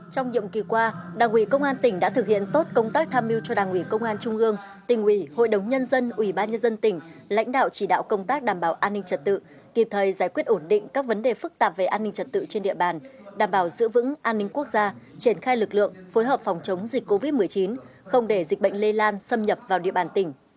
trong nhiệm kỳ qua đảng ủy công an tỉnh đã thực hiện tốt công tác tham mưu cho đảng ủy công an trung ương tỉnh ủy hội đồng nhân dân ủy ban nhân dân tỉnh lãnh đạo chỉ đạo công tác đảm bảo an ninh trật tự kịp thời giải quyết ổn định các vấn đề phức tạp về an ninh trật tự trên địa bàn đảm bảo giữ vững an ninh quốc gia triển khai lực lượng phối hợp phòng chống dịch covid một mươi chín không để dịch bệnh lây lan xâm nhập vào địa bàn tỉnh